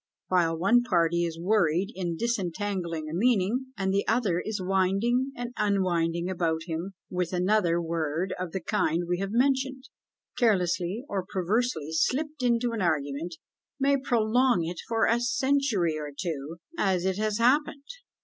While one party is worried in disentangling a meaning, and the other is winding and unwinding about him with another, a word of the kind we have mentioned, carelessly or perversely slipped into an argument, may prolong it for a century or two as it has happened!